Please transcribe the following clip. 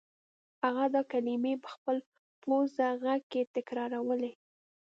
هغه دا کلمې په خپل پوزه غږ کې تکرارولې